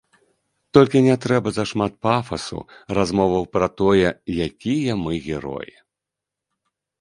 Толькі не трэба зашмат пафасу, размоваў пра тое, якія мы героі.